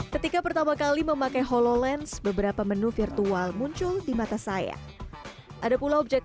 ketika pertama kali memakai hololens beberapa menu virtual muncul di mata saya ada pula objek